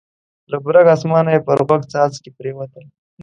له برګ اسمانه یې پر غوږ څاڅکي پرېوتل.